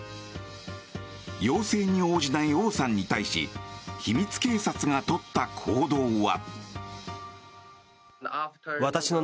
要請に応じないオウさんに対し秘密警察がとった行動は。